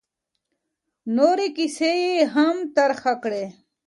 نورې کیسې یې هم طرحه کړې.